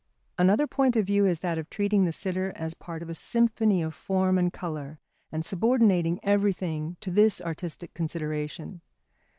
Another point of view is that of treating the sitter as part of a symphony of form and colour, and subordinating everything to this artistic consideration.